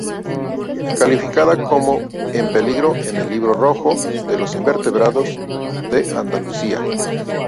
Calificada como en peligro en el Libro Rojo de los Invertebrados de Andalucía.